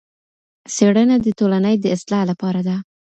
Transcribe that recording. څېړنه د ټولني د اصلاح لپاره ده.